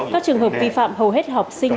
các trường hợp vi phạm hầu hết học sinh